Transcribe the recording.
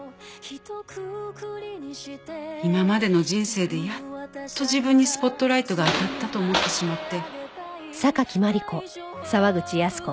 今までの人生でやっと自分にスポットライトが当たったと思ってしまって。